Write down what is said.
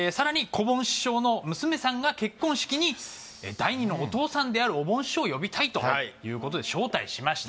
こぼん師匠の娘さんが結婚式に第２のお父さんであるおぼん師匠を呼びたいということで招待しました